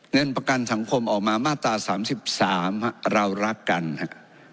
เงินประกันสังคมออกมามาตรา๓๓เรารักกันครับ